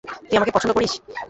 তুই আমাকে পছন্দ করিস?